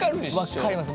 分かります。